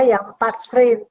yang empat strain